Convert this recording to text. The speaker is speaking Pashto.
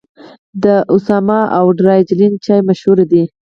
د اسام او دارجلینګ چای مشهور دی.